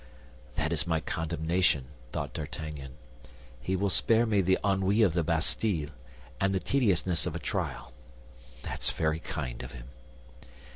"That is my condemnation," thought D'Artagnan; "he will spare me the ennui of the Bastille, or the tediousness of a trial. That's very kind of him."